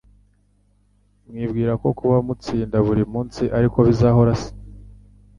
Mwibwira ko kuba mutsinda buri munsi ariko bizahora se